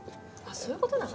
そういうことなの？